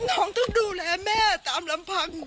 ต้องดูแลแม่ตามลำพัง